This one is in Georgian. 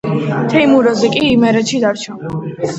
თეიმურაზი კი იმერეთში დარჩა.